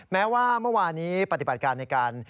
แม้ว่าเมื่อวานี้ปฏิบัติการในการ